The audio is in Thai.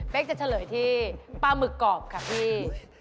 เป็นจะเฉลยที่ปลาหมึกกรอบค่ะพี่